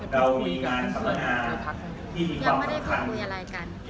เรามีงานสำนักที่มีความสำคัญ